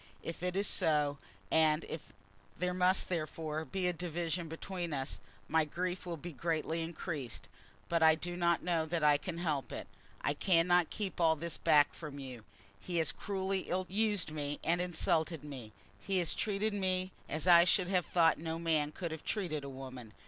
If it is so, and if there must therefore be a division between us, my grief will be greatly increased; but I do not know that I can help it. I cannot keep all this back from you. He has cruelly ill used me and insulted me. He has treated me as I should have thought no man could have treated a woman.